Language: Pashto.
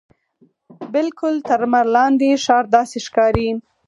بالکل تر لمر لاندې ښار داسې ښکاري.